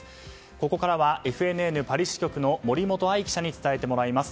ここからはＦＮＮパリ支局の森元愛記者に伝えてもらいます。